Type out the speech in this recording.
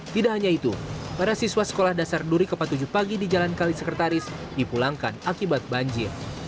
tidak hanya itu para siswa sekolah dasar duri kepatujuh pagi di jalan kali sekretaris dipulangkan akibat banjir